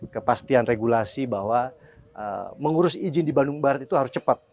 kepastian regulasi bahwa mengurus izin di bandung barat itu harus cepat